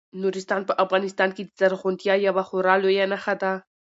نورستان په افغانستان کې د زرغونتیا یوه خورا لویه نښه ده.